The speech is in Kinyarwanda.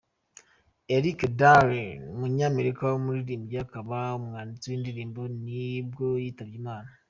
Erik Darling, umunyamerika w’umuririmbyi akaba n’umwanditsi w’indirimbo ni bwo yitabye Imana.